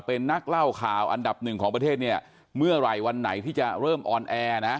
เป็นนักเล่าข่าวอันดับหนึ่งของประเทศเนี่ยเมื่อไหร่วันไหนที่จะเริ่มออนแอร์นะ